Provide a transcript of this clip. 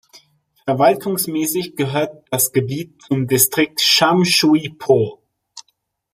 Verwaltungsmäßig gehört das Gebiet zum Distrikt Sham Shui Po.